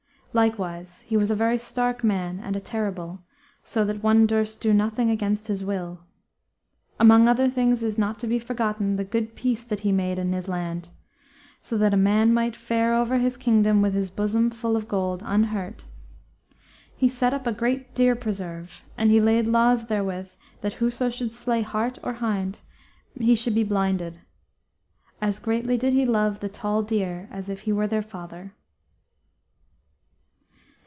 ... Likewise he was a very stark man and a terrible, so that one durst do nothing against his will. ... Among other things is not to be forgotten the good peace that he made in this land, so that a man might fare over his kingdom with his bosom full of gold unhurt. He set up a great deer preserve, and he laid laws therewith that whoso should slay hart or hind, he should be blinded. As greatly did he love the tall deer as if he were their father."